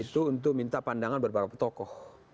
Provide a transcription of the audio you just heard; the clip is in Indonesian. itu untuk minta pandangan beberapa tokoh